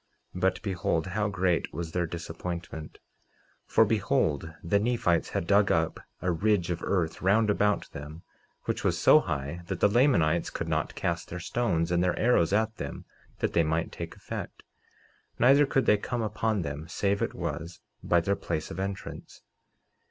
49:4 But behold, how great was their disappointment; for behold, the Nephites had dug up a ridge of earth round about them, which was so high that the Lamanites could not cast their stones and their arrows at them that they might take effect, neither could they come upon them save it was by their place of entrance.